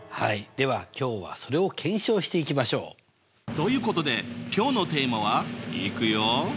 では今日はそれを検証していきましょう！ということで今日のテーマはいくよ。